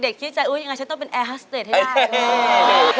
เด็กคิดใจยังไงฉันต้องเป็นแอร์ฮัสเดชช์ให้ได้